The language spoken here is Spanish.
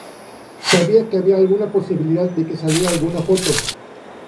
Sabía que había alguna posibilidad de que saliera alguna foto.